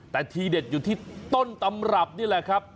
แต่ทีเด็ดอยู่ที่ต้นตำรับนี่แหละครับ